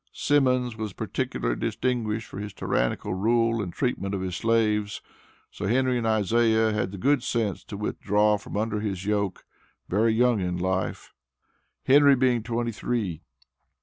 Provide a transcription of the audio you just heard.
Simmons was particularly distinguished for his tyrannical rule and treatment of his slaves so Henry and Isaiah had the good sense to withdraw from under his yoke, very young in life; Henry being twenty three.